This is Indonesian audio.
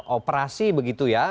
operasi begitu ya